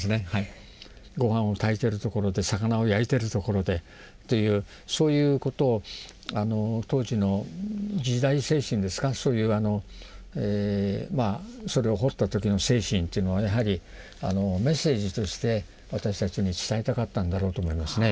ご飯を炊いてるところで魚を焼いてるところでというそういうことを当時の時代精神ですかそういうそれを彫った時の精神というのはやはりメッセージとして私たちに伝えたかったんだろうと思いますね。